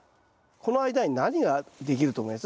この間に何ができると思います？